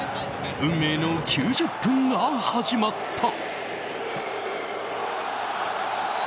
運命の９０分が始まった。